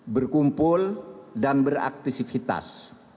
berkumpul dan beraktisifitas